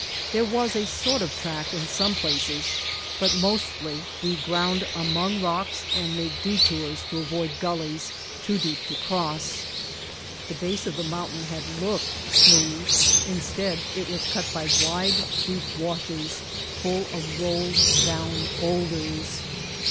There was a sort of track in some places, but mostly we ground among rocks and made detours to avoid gullies too deep to cross. The base of the mountain had looked smooth, instead it was cut by wide, deep washes full rolled down boulders.